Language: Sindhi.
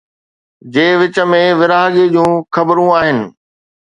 جي وچ ۾ ورهاڱي جون خبرون آهن